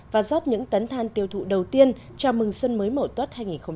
và rót những tấn than tiêu thụ đầu tiên cho mừng xuân mới mổ tuất hai nghìn một mươi tám